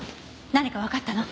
何かわかったの？